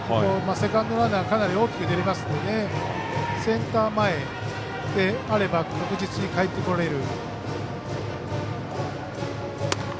セカンドランナーかなり大きく出れますのでセンター前であれば確実にかえってこられる。